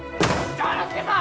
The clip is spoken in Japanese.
丈之助さん！